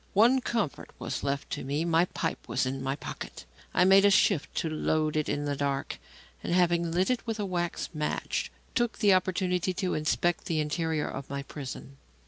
One comfort was left to me; my pipe was in my pocket. I made shift to load it in the dark, and, having lit it with a wax match, took the opportunity to inspect the interior of my prison.